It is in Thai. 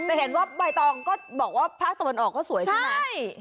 แต่เห็นว่าใบตองก็บอกว่าภาคตะวันออกก็สวยใช่ไหม